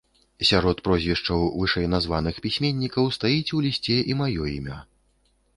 Сярод прозвішчаў вышэйназваных пісьменнікаў стаіць у лісце і маё імя.